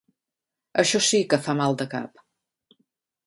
Això sí que fa mal de cap.